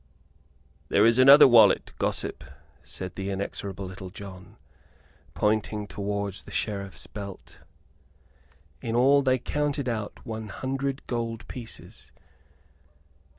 "There is another wallet, gossip," said the inexorable Little John, pointing towards the Sheriff's belt. In all they counted out one hundred gold pieces.